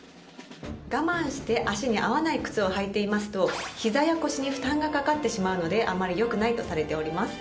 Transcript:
我慢して足に合わない靴を履いていますとひざや腰に負担がかかってしまうのであまりよくないとされております。